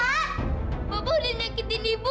hai bapak disini aja temani dan ibu